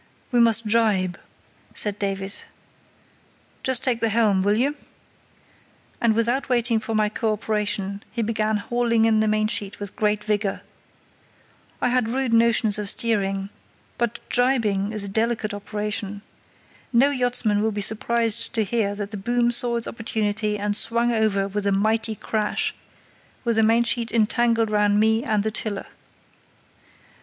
"We must jibe," said Davies: "just take the helm, will you?" and, without waiting for my co operation, he began hauling in the mainsheet with great vigour. I had rude notions of steering, but jibing is a delicate operation. No yachtsman will be surprised to hear that the boom saw its opportunity and swung over with a mighty crash, with the mainsheet entangled round me and the tiller.